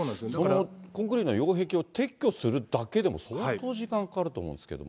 コンクリートの擁壁を撤去するだけでも、相当時間がかかると思うんですけども。